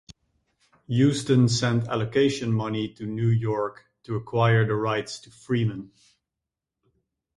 Houston sent allocation money to New York to acquire the rights to Freeman.